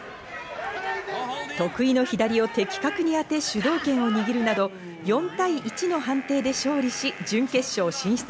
得意の左を的確に当て、指導権を握るなど、４対１の判定で勝利し、準決勝進出。